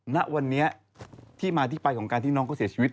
ณวันนี้ที่มาที่ไปของการที่น้องเขาเสียชีวิต